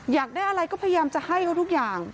อยากได้อะไรก็พยายามจะให้เขาทุกอย่าง